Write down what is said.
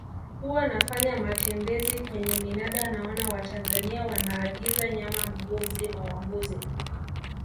Huwa nafanya matembeezi kwenye minada naona Watanzania wanaagiza nyama mguu mzima wa mbuzi